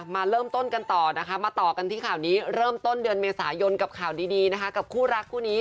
มาเริ่มต้นกันต่อนะคะเริ่มต้นเดือนเมษายนกับข่าวดีกับคู่รักคู่นี้